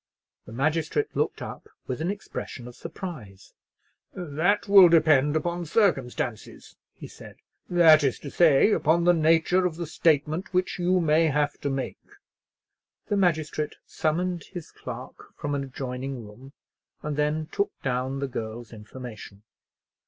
The magistrate looked up with an expression of surprise. "That will depend upon circumstances," he said; "that is to say, upon the nature of the statement which you may have to make." The magistrate summoned his clerk from an adjoining room, and then took down the girl's information.